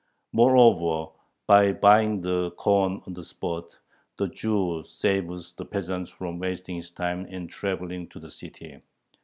Moreover, by buying the corn on the spot, the Jew saves the peasant from wasting his time in traveling to the city.